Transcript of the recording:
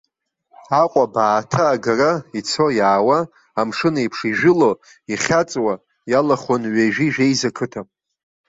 Аҟәа абааҭа агара, ицо-иаауа, амшын еиԥш ижәыло, ихьаҵуа, иалахәын ҩеижәи-жәеиза қыҭа.